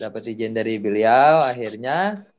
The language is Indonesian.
dapet izin dari beliau akhirnya